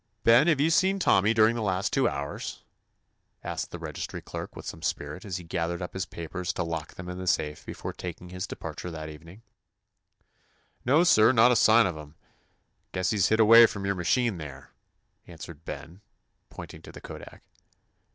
"Ben, have you seen Tommy dur ing the last two hours?" asked the 170 TOMMY POSTOFFICE registry clerk with some spirit as he gathered up his papers to lock them in the safe before taking his depar ture that evening. "No, sir, not a sign of him. Guess he 's hid away from your machine there," answered Ben, pointing to the kodak.